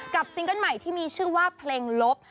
ซิงเกิ้ลใหม่ที่มีชื่อว่าเพลงลบ